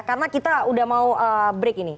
karena kita udah mau break ini